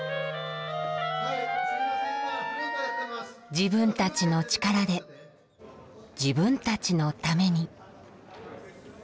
自分たちの力で自分たちのために。